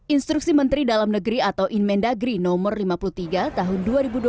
instruksi menteri dalam negeri atau inmendagri no lima puluh tiga tahun dua ribu dua puluh satu